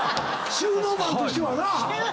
収納マンとしてはな。